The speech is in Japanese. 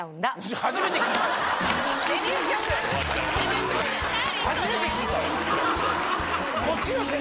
初めて聞いた。